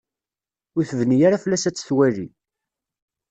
Ur tebni ara fell-as ad tt-twali.